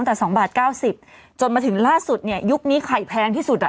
แต่สองบาทเก้าสิบจนมาถึงล่าสุดเนี่ยยุคนี้ไข่แพงที่สุดอ่ะ